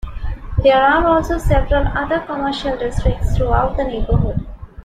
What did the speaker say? There are also several other commercial districts throughout the neighborhood.